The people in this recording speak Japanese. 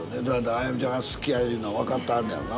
あやみちゃんが好きやいうのわかってはんねやろな。